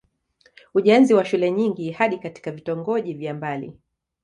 Ujenzi wa shule nyingi hadi katika vitongoji vya mbali